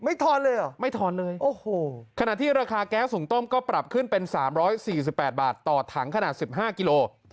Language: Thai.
ทอนเลยเหรอไม่ทอนเลยโอ้โหขณะที่ราคาแก๊สหุ่งต้มก็ปรับขึ้นเป็น๓๔๘บาทต่อถังขนาด๑๕กิโล